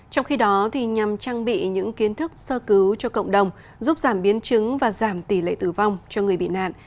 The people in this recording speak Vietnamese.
trong khi đó nhằm trang bị những kiến thức sơ cứu cho cộng đồng giúp giảm biến chứng và giảm tỷ lệ tử vong cho người bị nạn